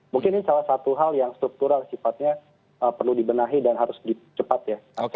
mungkin ini salah satu hal yang struktural sifatnya perlu dibenahi dan harus dicepat ya